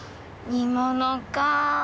煮物か。